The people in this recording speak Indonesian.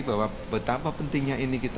bahwa betapa pentingnya ini kita